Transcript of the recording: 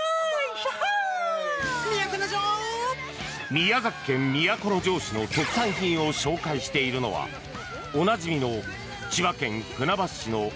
宮崎県都城市の特産品を紹介しているのはおなじみの千葉県船橋市の